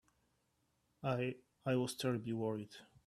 I—I was terribly worried.